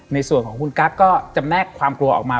ในส่วนของคุณกั๊กก็จำแนกความกลัวออกมา